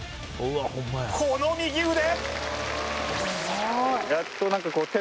この右腕！